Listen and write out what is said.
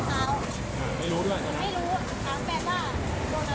เขาก็เกิดจะบอกลูกค้า